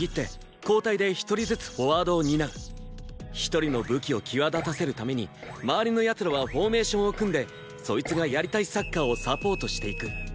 １人の武器を際立たせるために周りの奴らはフォーメーションを組んでそいつがやりたいサッカーをサポートしていく。